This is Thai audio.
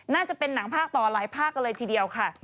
น่าจะเป็นหนังภาคต่อหลายภาคกันเลยทีเดียวค่ะ